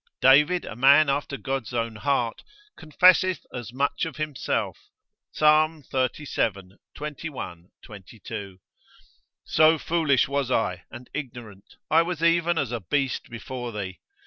David, a man after God's own heart, confesseth as much of himself, Psal. xxxvii. 21, 22. So foolish was I and ignorant, I was even as a beast before thee.